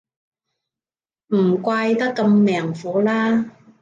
唔怪得咁命苦啦